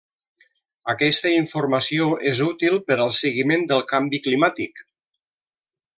Aquesta informació és útil per al seguiment del canvi climàtic.